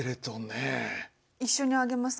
一緒に挙げますか？